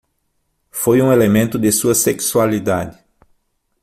Foi um elemento de sua sexualidade.